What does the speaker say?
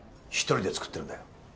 一人で作ってるんだよ。